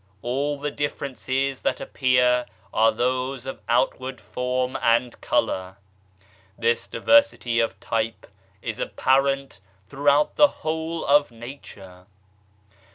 All the differences that appear are those of outward form and colour. This diversity of type is apparent throughout the whole of Nature.